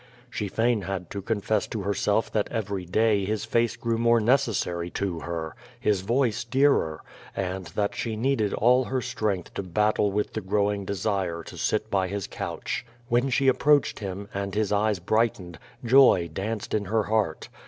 She fain had to confess to herself that every day his face grew more necessary to her, his voice dearer, and that she needed all her strength to battle with the growing desire to sit by his couch. When she approached him, and his eyes brightened, joy danced in her heart.